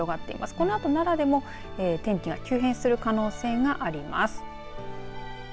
このあと奈良でも天気が急変する可能性があります。